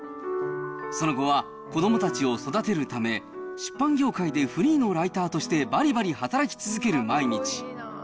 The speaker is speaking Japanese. その後は子どもたちを育てるため、出版業界でフリーのライターとしてばりばり働き続ける毎日。